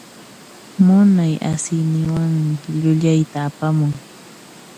Munay asiyninwanmi llullayta apamun.